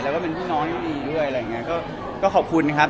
แล้วก็เป็นพี่น้องที่ดีด้วยอะไรอย่างเงี้ยก็ขอบคุณนะครับ